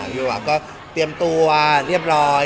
พี่หวักก็เตรียมตัวเรียบร้อย